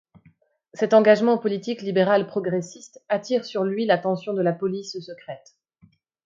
Cet engagement politique libéral progressiste attire sur lui l'attention de la police secrète.